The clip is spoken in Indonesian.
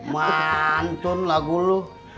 mantun lagu lu